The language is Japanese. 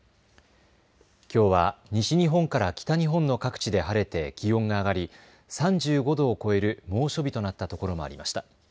きょうは西日本から北日本の各地で晴れて気温が上がり３５度を超える猛暑日となったところもありました。